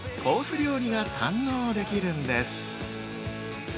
料理が堪能できるんです。